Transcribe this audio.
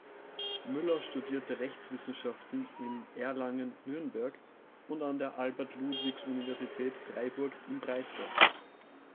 Müller studierte Rechtswissenschaft in Erlangen-Nürnberg und an der Albert-Ludwigs-Universität, Freiburg im Breisgau.